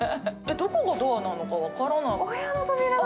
どこがドアなのか分からない。